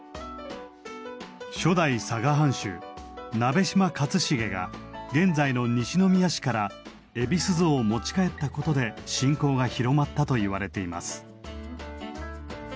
初代佐賀藩主鍋島勝茂が現在の西宮市から恵比須像を持ち帰ったことで信仰が広まったといわれています。